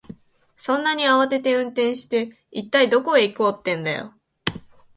そんなに慌てて運転して、一体どこへ行こうってんだよ。